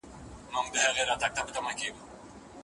شپې مي په وعدو چي غولولې اوس یې نه لرم.